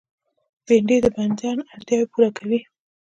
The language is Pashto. بېنډۍ د بدن اړتیاوې پوره کوي